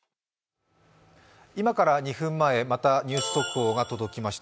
今から２分前、またニュース速報が届きました。